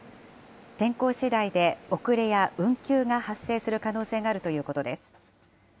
天候しだいで遅れや運休が発生する可能性があるということです。